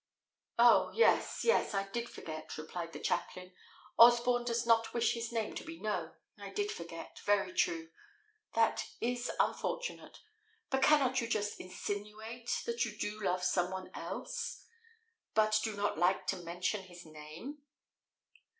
"Oh! yes, yes, I did forget," replied the chaplain. "Osborne does not wish his name to be known; I did forget. Very true! That is unfortunate. But cannot you just insinuate that you do love some one else, but do not like to mention his name?"